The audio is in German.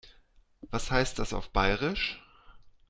Was heißt das auf Bairisch?